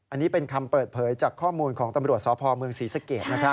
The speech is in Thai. อันนี้เป็นคำเปิดเผยจากข้อมูลของตำรวจสพเมืองศรีสเกต